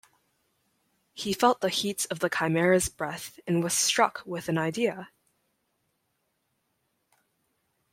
He felt the heat of the Chimera's breath and was struck with an idea.